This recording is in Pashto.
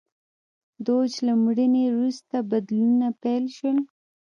دوج له مړینې وروسته بدلونونه پیل شول.